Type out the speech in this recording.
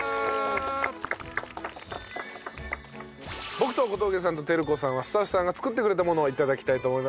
僕と小峠さんと照子さんはスタッフさんが作ってくれたものを頂きたいと思います。